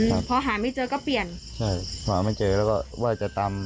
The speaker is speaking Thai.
ครับพอหาไม่เจอก็เปลี่ยนใช่หาไม่เจอแล้วก็ว่าจะตาม